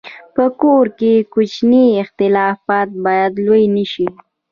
په کور کې کوچني اختلافات باید لوی نه شي.